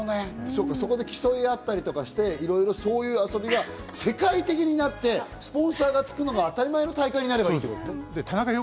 そこで競い合ったりして、そういう遊びが世界的になって、スポンサーがつくのが当たり前の大会になればいい。